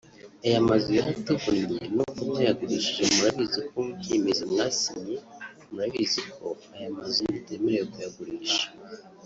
Aya mazu yaratuvunnye nubwo mwayagurishije murabizi ko mu byemezo mwasinye murabizi ko aya mazu mutemerewe kuyagurisha